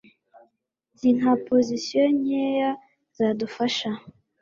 nzi nka pozisiyo nkeya zadufasha